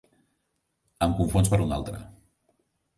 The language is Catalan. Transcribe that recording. Em confons per un altre.